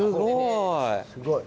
すごい！